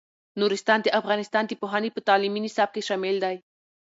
نورستان د افغانستان د پوهنې په تعلیمي نصاب کې شامل دی.